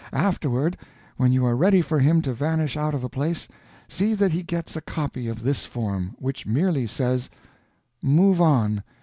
Afterward, when you are ready for him to vanish out of a place, see that he gets a copy of this form, which merely says, MOVE ON.